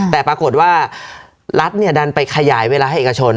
แต่ปรากฏว่ารัฐดันไปขยายเวลาให้เอกชน